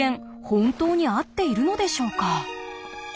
本当に合っているのでしょうか？